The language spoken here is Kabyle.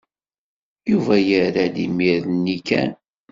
Yuba yerra-d imir-nni kan.